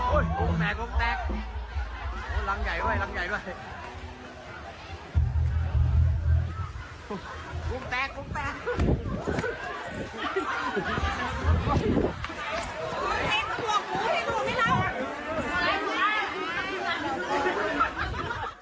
วงแตกวงแตกโอ้รังใหญ่ด้วยรังใหญ่ด้วย